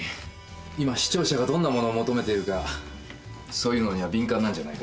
今視聴者がどんなものを求めているかそういうのには敏感なんじゃないか？